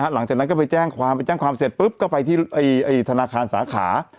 หลังจากนั้นก็ไปแจ้งความไปแจ้งความเสร็จปุ๊บก็ไปที่ธนาคารสาขา